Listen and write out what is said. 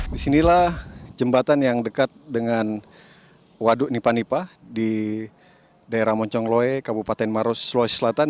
di sinilah jembatan yang dekat dengan waduk nipanipa di daerah moncongloe kabupaten maros sulawesi selatan